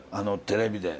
テレビで。